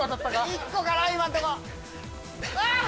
１個かな今のとこ。